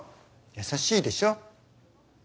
優しいでしょ。